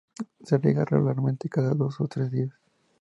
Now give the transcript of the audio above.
Se riega regularmente, cada dos o tres días.